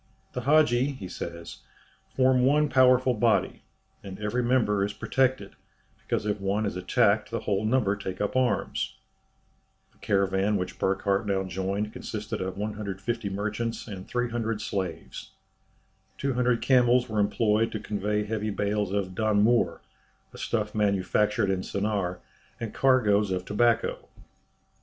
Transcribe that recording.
"The Hadji," he says, "form one powerful body, and every member is protected, because if one is attacked the whole number take up arms." The caravan which Burckhardt now joined consisted of 150 merchants and 300 slaves. Two hundred camels were employed to convey heavy bales of "danmour," a stuff manufactured in Sennaar, and cargoes of tobacco.